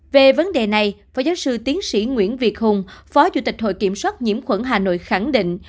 về vấn đề này phó giáo sư tiến sĩ nguyễn việt hùng phó chủ tịch hội kiểm soát nhiễm khuẩn hà nội khẳng định